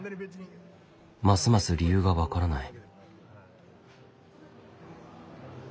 ますます理由が分からない。